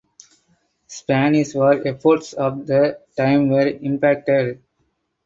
Spanish war efforts of the time were impacted.